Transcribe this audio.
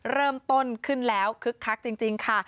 เริ่มต้นขึ้นแล้วคึกคักจริงค่ะ